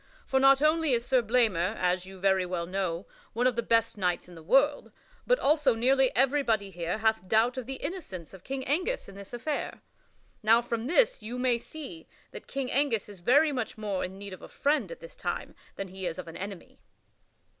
For not only is Sir Blamor, as you very well know, one of the best knights in the world, but also nearly everybody here hath doubt of the innocence of King Angus in this affair. Now from this you may see that King Angus is very much more in need of a friend at this time than he is of an enemy."